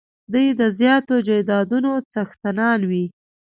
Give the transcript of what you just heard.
دوی د زیاتو جایدادونو څښتنان وي.